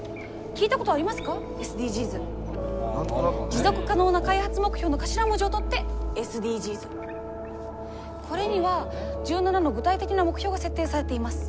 「持続可能な開発目標」の頭文字を取ってこれには１７の具体的な目標が設定されています。